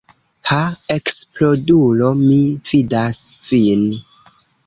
Ha eksplodulo, mi vidas vin!